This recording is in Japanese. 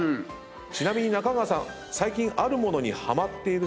ちなみに中川さん最近あるものにハマっているそうなんですけども。